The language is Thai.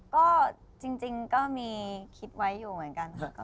ก็จริงก็มีคิดไว้อยู่เหมือนกันค่ะ